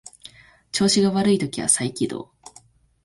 調子が悪い時は再起動